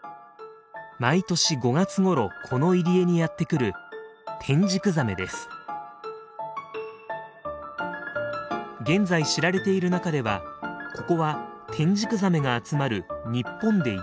毎年５月ごろこの入り江にやって来る現在知られている中ではここはテンジクザメが集まる日本で唯一の場所。